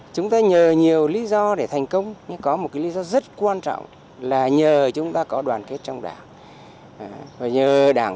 chúng ta nhờ nhiều lý do để thành công nhưng có một lý do rất quan trọng là nhờ chúng ta có đoàn kết trong đảng